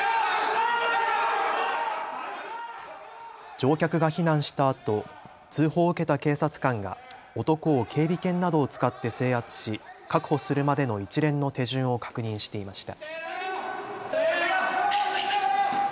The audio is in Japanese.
乗客が避難したあと通報を受けた警察官が男を警備犬などを使って制圧し確保するまでの一連の手順を確認していました。